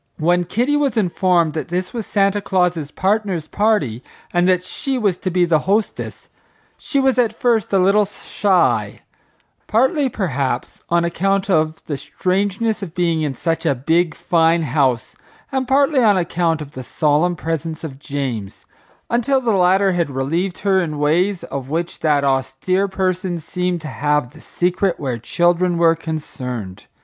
When Kitty was informed that this was Santa Claus's Partner's party, and that she was to be the hostess, she was at first a little shy, partly, perhaps, on account of the strangeness of being in such a big, fine house, and partly on account of the solemn presence of James, until the latter had relieved her in ways of which that austere person seemed to have the secret where children were concerned.